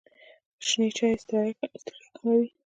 شنې چایی ستړیا کموي.